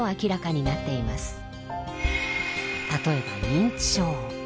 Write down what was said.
例えば認知症。